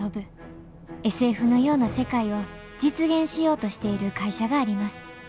ＳＦのような世界を実現しようとしている会社があります